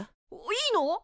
いいの？